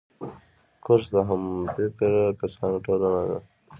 کورس د همفکره کسانو ټولنه ده.